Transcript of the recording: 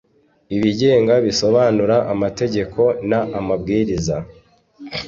abigenga bisobanura amategeko n amabwiriza